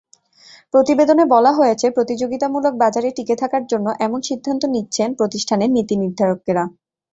প্রতিবেদনে বলা হয়েছে, প্রতিযোগিতামূলক বাজারে টিকে থাকার জন্য এমন সিদ্ধান্ত নিচ্ছেন প্রতিষ্ঠানের নীতিনির্ধারকেরা।